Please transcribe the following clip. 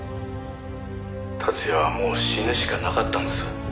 「達也はもう死ぬしかなかったんです」